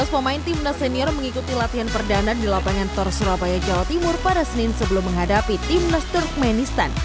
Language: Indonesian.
lima belas pemain timnas senior mengikuti latihan perdana di lapangan tor surabaya jawa timur pada senin sebelum menghadapi timnas turkmenistan